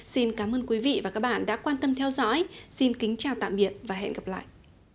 xin cảm ơn quý vị và các bạn đã quan tâm theo dõi xin kính chào tạm biệt và hẹn gặp lại